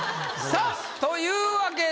さあというわけで。